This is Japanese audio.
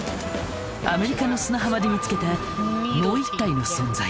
アメリカの砂浜で見つけたもう一体の存在。